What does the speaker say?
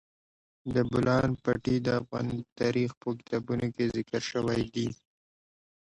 د بولان پټي د افغان تاریخ په کتابونو کې ذکر شوی دي.